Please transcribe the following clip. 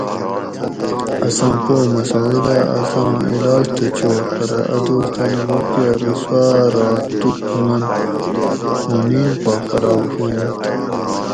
اساں پو مسعودہ اساں علاج تہ چھور پرہ اۤ دوس تانی بوب کہ ارو سوا رات تُو پھنگنت مُوں نِین پا خراب ہویٔینت